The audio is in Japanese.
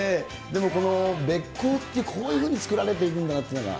でもこの、べっ甲ってこういうふうに作られているんだなというのが。